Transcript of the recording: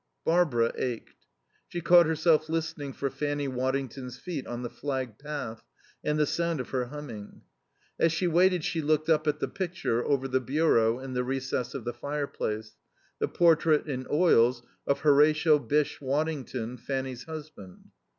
Barbara ached. She caught herself listening for Fanny Waddington's feet on the flagged path and the sound of her humming. As she waited she looked up at the picture over the bureau in the recess of the fireplace, the portrait in oils of Horatio Bysshe Waddington, Fanny's husband.